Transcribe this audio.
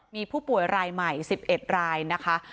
มี๑๑รายผู้เป็นรายหมาย